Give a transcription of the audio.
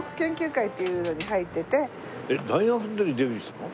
えっ大学の時にデビューしたの？